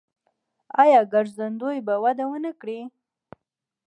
آیا ګرځندوی به وده ونه کړي؟